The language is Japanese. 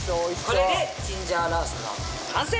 これでチンジャオロースの完成です！